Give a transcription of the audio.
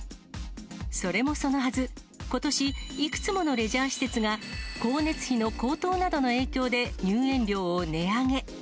それもそのはず、ことし、いくつものレジャー施設が、光熱費の高騰などの影響で、入園料を値上げ。